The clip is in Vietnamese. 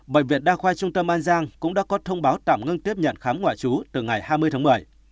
bệnh viện đa khoa trung tâm an giang cũng đã có thông báo tạm ngưng tiếp nhận khám ngoại trú từ ngày hai mươi tháng một mươi